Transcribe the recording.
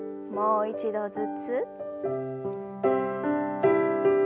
もう一度ずつ。